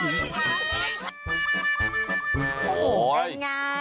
โหเป็นยังไง